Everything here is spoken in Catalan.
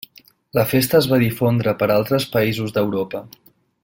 La festa es va difondre per altres països d'Europa.